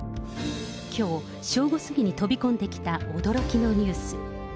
きょう正午過ぎに飛び込んできた驚きのニュース。